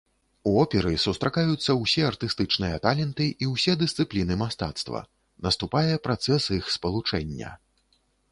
У оперы сустракаюцца ўсе артыстычныя таленты і ўсе дысцыпліны мастацтва, наступае працэс іх спалучэння.